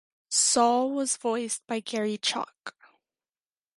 Sol was voiced by Garry Chalk.